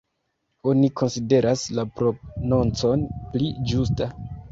Oni konsideras la prononcon pli ĝusta.